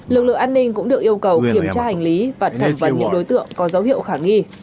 lực lượng an ninh cũng được yêu cầu kiểm tra hành lý và thẩm vấn những đối tượng có dấu hiệu khả nghi